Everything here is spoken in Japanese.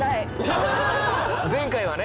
前回はね。